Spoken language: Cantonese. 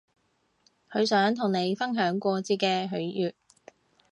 佢想同你分享過節嘅喜悅